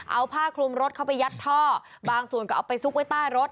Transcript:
เอาผ้าคลุมรถเข้าไปยัดท่อบางส่วนก็เอาไปซุกไว้ใต้รถ